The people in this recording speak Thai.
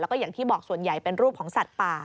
แล้วก็อย่างที่บอกส่วนใหญ่เป็นรูปของสัตว์ป่า